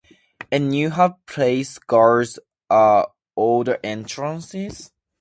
And you have placed guards at all the entrances?